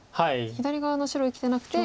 左側の白生きてなくて。